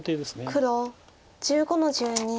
黒１５の十二。